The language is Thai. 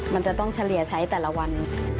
มันจะต้องเฉลี่ยใช้แต่ละวัน